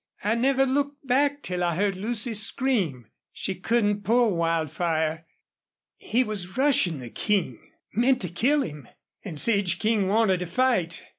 I never looked back till I heard Lucy scream. She couldn't pull Wildfire. He was rushin' the King meant to kill him. An' Sage King wanted to fight.